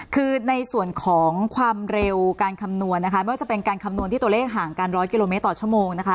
คือในส่วนของความเร็วการคำนวณนะคะไม่ว่าจะเป็นการคำนวณที่ตัวเลขห่างกันร้อยกิโลเมตรต่อชั่วโมงนะคะ